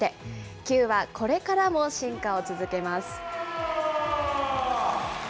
ＣＵＥはこれからも進化を続けます。